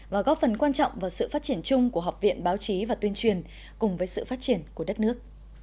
và góp phần quan trọng vào sự phát triển chung của học viện báo chí và tuyên truyền cùng với sự phát triển của đất nước